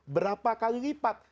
berapa kali lipat